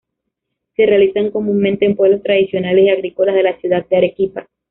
Se realizan comúnmente en pueblos tradiciones y agrícolas de la ciudad de Arequipa.